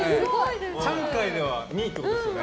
ちゃん界では２位ってことですよね。